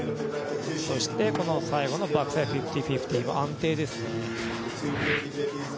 そして最後のバックサイド５０−５０も安定ですね。